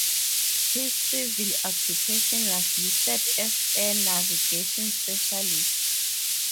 His civil occupation was listed as Air Navigation Specialist.